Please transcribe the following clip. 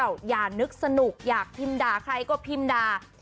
อย่านึกสนุกอยากพิมพ์ด่าใครก็พิมพ์ด่า